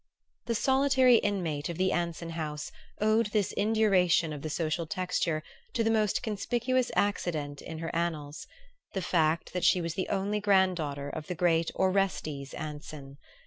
The solitary inmate of the Anson House owed this induration of the social texture to the most conspicuous accident in her annals: the fact that she was the only granddaughter of the great Orestes Anson.